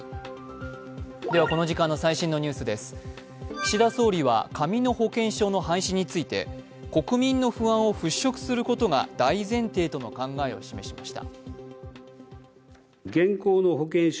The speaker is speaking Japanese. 岸田総理は紙の保険証の廃止について、国民の不安を払拭することが大前提との考えを示しました。